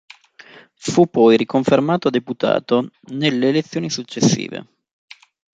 Fu poi riconfermato deputato nelle elezioni successive.